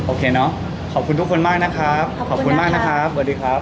โอเคเนอะขอบคุณทุกคนมากนะครับขอบคุณมากนะครับสวัสดีครับ